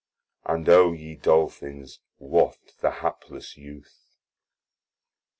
And, O ye Dolphins, waft the haples youth.